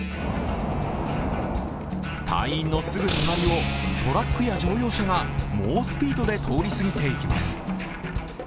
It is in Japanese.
隊員のすぐ隣をトラックや乗用車が猛スピードで通り過ぎていきます。